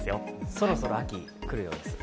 そろそろ秋、来るようです。